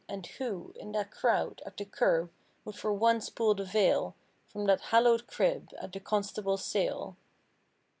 And who In that crowd, at the curb, would for once pull the veil From that hallowed crib at the "Constable's Sale."